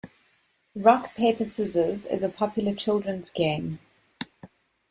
Rock, paper, scissors is a popular children's game.